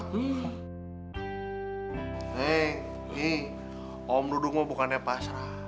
neng om dudung bukannya pasrah